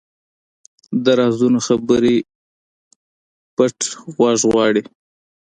د رازونو خبرې پټه غوږ غواړي